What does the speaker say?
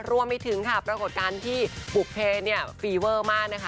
ร่วมให้ถึงค่ะปรากฏการณ์ที่ปุกเพลย์ฟีเวอร์มากนะคะ